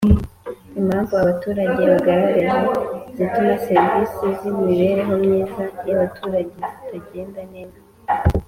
Impamvu abaturage bagaragaje zituma serivisi z’imibereho myiza y’abaturage zitagenda neza